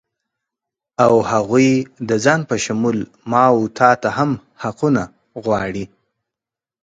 او هغوی د ځان په شمول ما و تاته هم حقونه غواړي